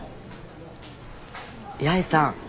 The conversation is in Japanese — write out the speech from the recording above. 八重さん